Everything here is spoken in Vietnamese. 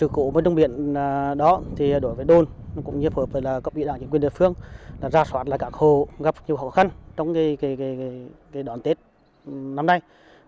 cộng nghị đảng chính quyền địa phương đã ra soát các hồ gặp nhiều khó khăn trong đón tết năm nay